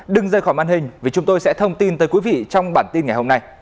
đừng rời khỏi màn hình vì chúng tôi sẽ thông tin tới quý vị trong bản tin ngày hôm nay